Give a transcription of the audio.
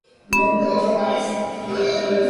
La avispa asiática es una plaga peligrosa